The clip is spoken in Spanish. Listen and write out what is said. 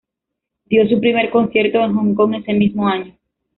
Dio su primer concierto en Hong Kong ese mismo año.